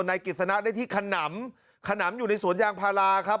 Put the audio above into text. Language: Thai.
นายกิจสนะได้ที่ขนำขนำอยู่ในสวนยางพาราครับ